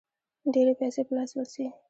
ډېرې پیسې په لاس ورځي.